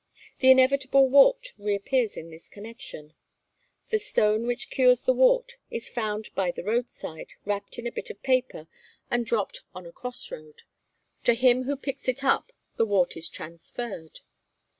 The inevitable wart reappears in this connection; the stone which cures the wart is found by the roadside, wrapped in a bit of paper, and dropped on a cross road; to him who picks it up the wart is transferred.